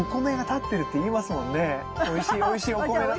おいしいおいしいお米が。